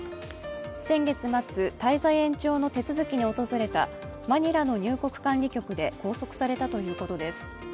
先月末、滞在延長の手続に訪れたマニラの入国管理局で拘束されたということです。